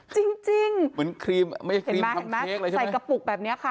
จริงจริงเหมือนครีมไม่ครีมทำเค้กเลยใช่ไหมใส่กระปุกแบบเนี้ยค่ะ